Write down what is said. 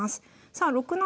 さあ６七